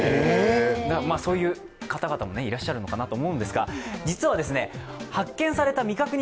だからそういう方々もいらっしゃるのかなと思うんですが、実は、発見された未確認